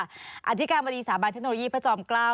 อธิการบดีสถาบันเทคโนโลยีพระจอมเกล้า